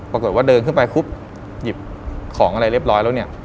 ปรากฏว่าเดินขึ้นไปปุ๊บหยิบของอะไรเรียบร้อยแล้วเนี่ย